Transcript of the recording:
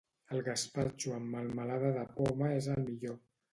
El gaspatxo amb melmelada de poma és el millor.